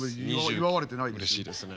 うれしいです。